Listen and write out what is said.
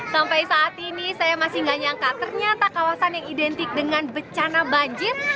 sampai saat ini saya masih nggak nyangka ternyata kawasan yang identik dengan bencana banjir